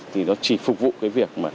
thì nó chỉ phục vụ cái việc